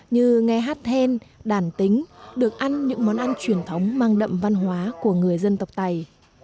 như nghe hát then đàn tính được ăn những món ăn truyền thống mang đậm văn hóa của người dân tộc tày